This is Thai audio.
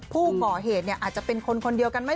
ผู้ก่อเหตุอาจจะเป็นคนคนเดียวกันไหม